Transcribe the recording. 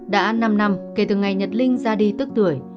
đã năm năm kể từ ngày nhật linh ra đi tức tuổi